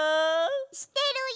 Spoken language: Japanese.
してるよ！